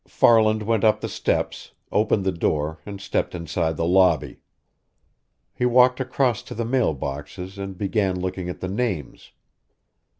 Farland went up the steps, opened the door, and stepped inside the lobby. He walked across to the mail boxes and began looking at the names.